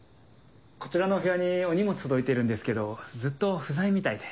こちらのお部屋にお荷物届いてるんですけどずっと不在みたいで。